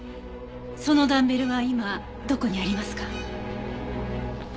そのダンベルは今どこにありますか？